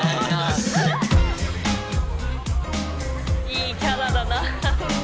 いいキャラだな。